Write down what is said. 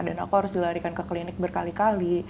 dan aku harus dilarikan ke klinik berkali kali